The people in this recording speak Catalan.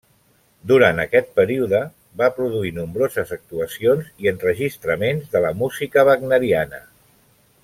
Durant aquest període va produir nombroses actuacions i enregistraments de la música wagneriana.